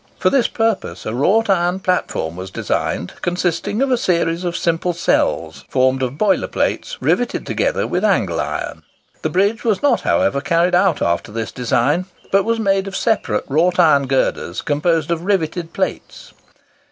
For this purpose a wrought iron platform was designed, consisting of a series of simple cells, formed of boiler plates riveted together with angle iron. The bridge was not, however, carried out after this design, but was made of separate wrought iron girders composed of riveted plates.